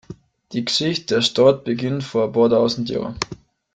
Die Geschichte der Stadt beginnt vor ein paar tausend Jahren.